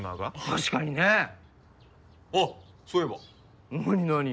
確かにねあっそういえば何なに？